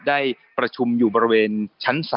ได้ประชุมอยู่บริเวณชั้น๓